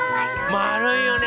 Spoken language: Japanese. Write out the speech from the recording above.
まるいよね